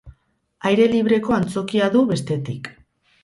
Aire libreko antzokia du, bestetik.